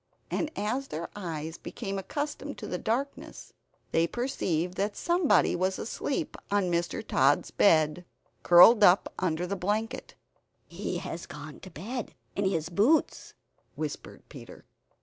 And as their eyes became accustomed to the darkness, they perceived that somebody was asleep on Mr. Tod's bed, curled up under the blanket. "He has gone to bed in his boots," whispered Peter.